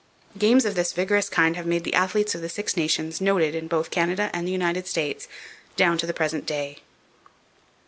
Games of this vigorous kind have made the athletes of the Six Nations noted in both Canada and the United States down to the present day.